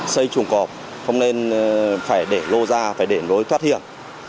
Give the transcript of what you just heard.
xây chuồng cọp không nên phải để lô ra phải để lối thoát hiểm